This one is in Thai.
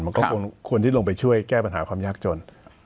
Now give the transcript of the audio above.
มันก็ควรที่ลงไปช่วยแก้ปัญหาความยากจน